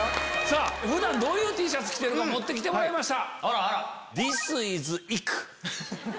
普段どういうＴシャツ着てるか持って来てもらいました。